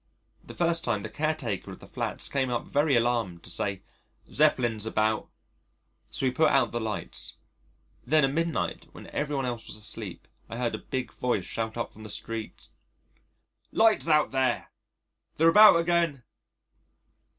The first time the caretaker of the flats came up very alarmed to say "Zeppelins about," so we put out the lights. Then at midnight when everyone else was asleep I heard a big voice shout up from the street: "Lights out there. They're about again."